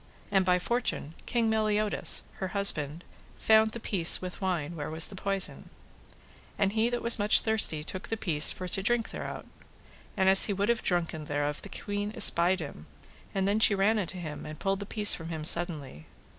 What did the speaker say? And by fortune King Meliodas, her husband, found the piece with wine where was the poison, and he that was much thirsty took the piece for to drink thereout. And as he would have drunken thereof the queen espied him, and then she ran unto him, and pulled the piece from him suddenly.